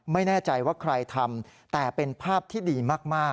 ไม่แน่ใจว่าใครทำแต่เป็นภาพที่ดีมาก